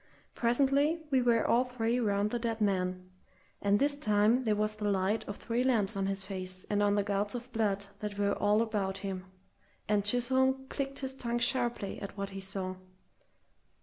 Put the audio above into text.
Presently we were all three round the dead man, and this time there was the light of three lamps on his face and on the gouts of blood that were all about him, and Chisholm clicked his tongue sharply at what he saw.